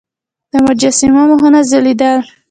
د مجسمو مخونه ځلیدل